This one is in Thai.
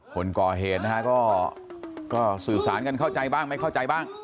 คนก่อเหตุนะฮะก็สื่อสารกันเข้าใจบ้างไม่เข้าใจบ้าง